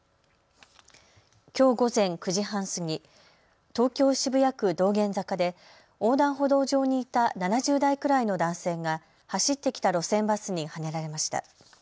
きょう午前９時半過ぎ、東京渋谷区道玄坂で横断歩道上にいた７０代くらいの男性が走ってきた路線バスにはねられました。